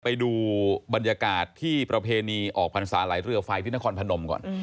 ไปดูบรรยากาศที่ประเพณีออกพรรษาไหลเรือไฟที่นครพนมก่อน